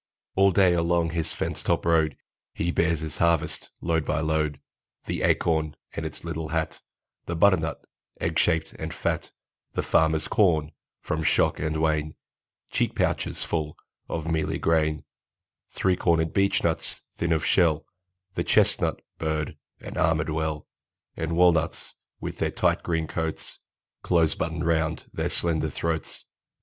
All day along his fence top road He bears his harvest, load by load; The acorn with its little hat; The butternut, egg shaped and fat; The farmer's corn, from shock and wain; Cheek pouches full of mealy grain; Three cornered beechnuts, thin of shell; The chestnut, burred and armored well; And walnuts, with their tight green coats Close buttoned round their slender throats.